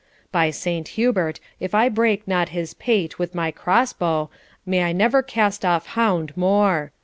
By Saint Hubert, if I break not his pate with my cross bow, may I never cast off hound more!